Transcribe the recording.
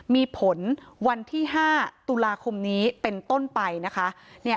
มีผลวันที่๕ตุลาคมนี้เป็นต้นไปนะคะ